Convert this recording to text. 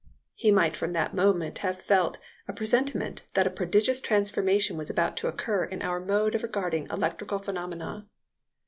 He might from that moment have felt a presentiment that a prodigious transformation was about to occur in our mode of regarding electrical phenomena.